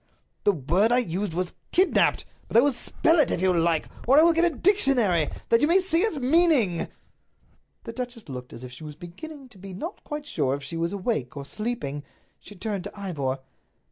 "The word I used was 'kidnaped.' But I will spell it if you like. Or I will get a dictionary, that you may see its meaning." The duchess looked as if she was beginning to be not quite sure if she was awake or sleeping. She turned to Ivor. "Mr.